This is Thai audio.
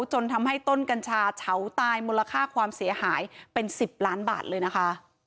จนทำให้ต้นกัญชาเฉาตายมูลค่าความเสียหายเป็น๑๐ล้านบาทเลยนะคะ